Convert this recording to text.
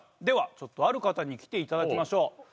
ではちょっとある方に来て頂きましょう。